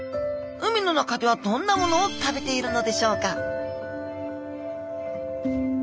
海の中ではどんなものを食べているのでしょうか？